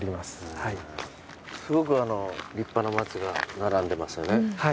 すごくあの立派な松が並んでますよね。